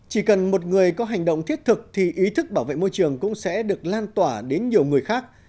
chỉ cần một người có hành động thiết thực thì ý thức bảo vệ môi trường cũng sẽ được lan tỏa đến nhiều người khác